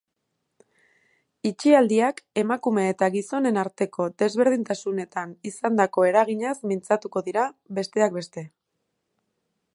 Itxialdiak emakume eta gizonen arteko desberdintasunetan izandako eraginaz mintzatuko dira, besteak beste.